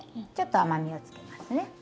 ちょっと甘みをつけますね。